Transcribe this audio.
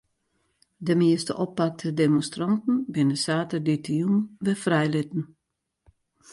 De measte oppakte demonstranten binne saterdeitejûn wer frijlitten.